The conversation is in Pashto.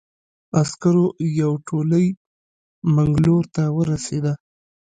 عسکرو یوه تولۍ منګلور ته ورسېده.